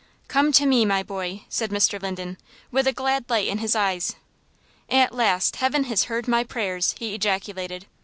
"Come to me, my boy," said Mr. Linden, with a glad light in his eyes. "At last Heaven has heard my prayers," he ejaculated.